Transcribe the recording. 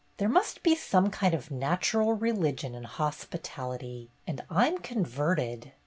There must be some kind of natural religion in hospitality — and I 'm converted!